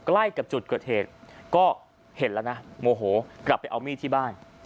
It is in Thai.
ใกล้กับจุดเกิดเหตุก็เห็นแล้วนะโมโหกลับไปเอามีดที่บ้าน